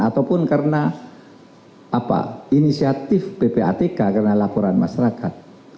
ataupun karena inisiatif ppatk karena laporan masyarakat